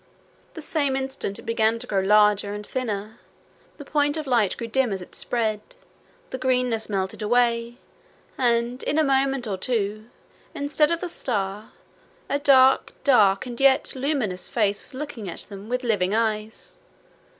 The same instant it began to grow larger and thinner, the point of light grew dim as it spread, the greenness melted away, and in a moment or two, instead of the star, a dark, dark and yet luminous face was looking at them with living eyes.